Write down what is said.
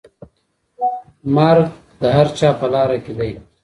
مرګ د هر چا په لاره کي دی.